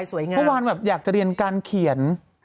วันหนึ่งแบบอยากเรียนการเขียน